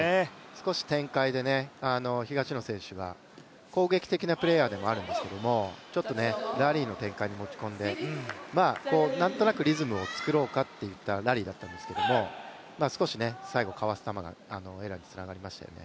少し展開で東野選手が攻撃的なプレーヤーでもあるんですけど、ちょっとラリーの展開に持ち込んで何となくリズムを作ろうかといったラリーだったんですけれども少し最後、かわす球がエラーにつながりましたよね。